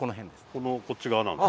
このこっち側なんですか？